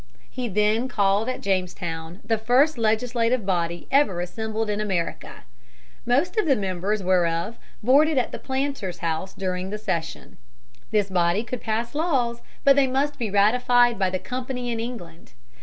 He then called at Jamestown the first legislative body ever assembled in America; most of the members whereof boarded at the Planters' House during the session. (For sample of legislator see picture.) This body could pass laws, but they must be ratified by the company in England.